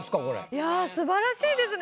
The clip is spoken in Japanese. いや素晴らしいですね。